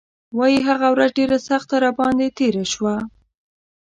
وايي هغه ورځ ډېره سخته راباندې تېره شوه.